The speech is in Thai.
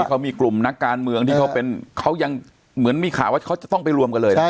เขามีกลุ่มนักการเมืองที่เขาเป็นเขายังเหมือนมีข่าวว่าเขาจะต้องไปรวมกันเลยนะ